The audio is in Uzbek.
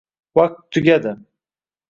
Vaqt tugadi.